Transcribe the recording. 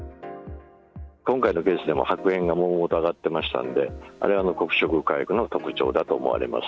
今回のケースでも白煙がもうもうと上がってましたんで、あれは黒色火薬の特徴だと思われます。